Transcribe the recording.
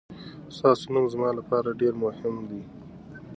ستاسو نوم زما لپاره ډېر مهم دی.